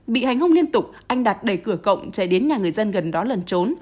bị hành hông liên tục anh đạt đẩy cửa cổng chạy đến nhà người dân gần đó lần trốn